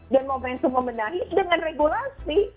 dan momentum membenahi dengan regulasi